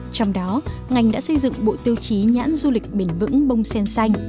trong đó ngành đã xây dựng bộ tiêu chí nhãn du lịch bền vững bông sen xanh